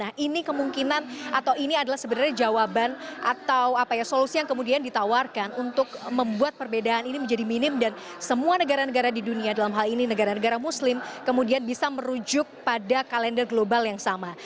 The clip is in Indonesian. nah ini kemungkinan atau ini adalah sebenarnya jawaban atau apa ya solusi yang kemudian ditawarkan untuk membuat perbedaan ini menjadi minim dan semua negara negara di dunia dalam hal ini negara negara muslim kemudian bisa merujuk pada kalender global yang sama